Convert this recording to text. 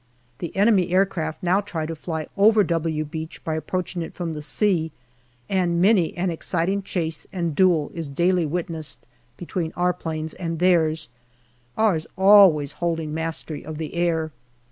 The enemy aircraft now try to fly over " W'" Beach by approaching it from the sea, and many an exciting chase and duel is daily witnessed between our planes and theirs, ours always holding mastery of the air.